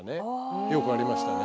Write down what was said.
よくありましたね。